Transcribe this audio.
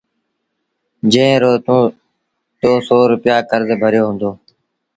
جݩهݩ رو تو سو روپيآ ڪرز ڀريو هُݩدو